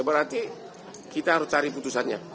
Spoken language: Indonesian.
berarti kita harus cari putusannya